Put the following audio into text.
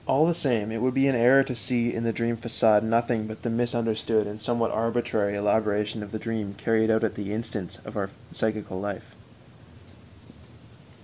All the same, it would be an error to see in the dream façade nothing but the misunderstood and somewhat arbitrary elaboration of the dream carried out at the instance of our psychical life.